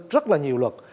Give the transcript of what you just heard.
rất là nhiều luật